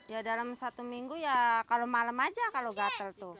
ya dalam satu minggu ya kalau malam aja kalau gatel tuh